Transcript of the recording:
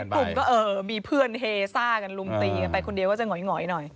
กลุ่มก็เออมีเพื่อนเฮซ่ากันลุมตีกันไปคนเดียวก็จะหงอยหน่อย